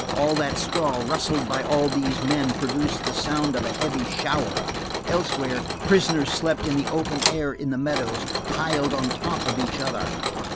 All that straw rustled by all these men, produced the sound of a heavy shower. Elsewhere prisoners slept in the open air in the meadows, piled on top of each other.